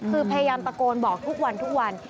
คือพยายามตะโกนบอกทุกวัน